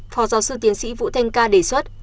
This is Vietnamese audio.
phó giáo sư tiến sĩ vũ thanh ca đề xuất